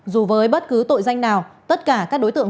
dù với bất cứ tội danh nào tất cả các đối tượng